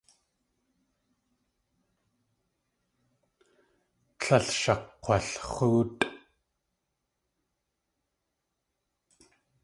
Tlél shakg̲walx̲óotʼ.